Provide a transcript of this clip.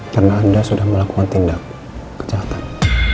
karena anda sudah melakukan tindak kejahatan